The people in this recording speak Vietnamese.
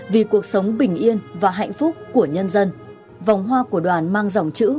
vì cuộc sống bình yên và hạnh phúc của nhân dân